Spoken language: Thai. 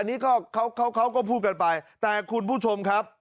อันนี้ก็เขาเขาก็พูดกันไปแต่คุณผู้ชมครับ